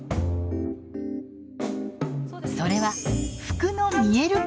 それは服の見える化。